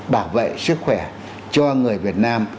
bảo vệ sức khỏe cho người việt nam